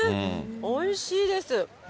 おいしいです。